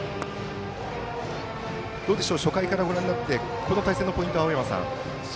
初回からご覧になってこの対戦のポイントは青山さん。